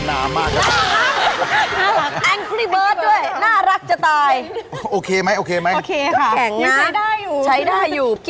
น่าเวทนามาก